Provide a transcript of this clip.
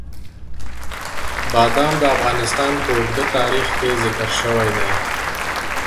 بادام د افغانستان په اوږده تاریخ کې ذکر شوی دی.